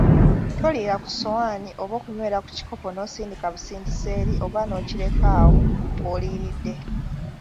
Toliira ku ssowaani oba okunywera ku kikopo n‘okisindika busindisi eri oba n‘okireka awo w‘oliiridde.